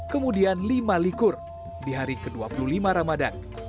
kemudian lima likur di hari ke dua puluh lima ramadan